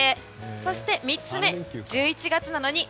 そして、３つ目１１月なのに○○。